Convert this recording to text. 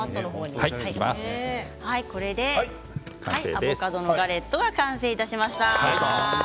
これでアボカドのガレットが完成しました。